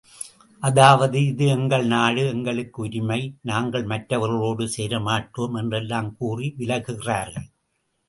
அதாவது, இது எங்கள் நாடு எங்களுக்கு உரிமை, நாங்கள் மற்றவர்களோடு சேர மாட்டோம் என்றெல்லாம் கூறி விலகுகிறார்கள்.